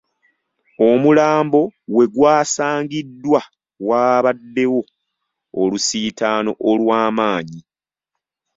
Omulambo we gwasangiddwa waabaddewo olusiitaano olw’amanyi.